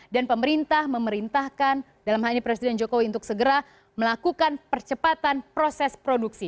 dan pemerintah memerintahkan dalam hal ini presiden jokowi untuk segera melakukan percepatan proses produksi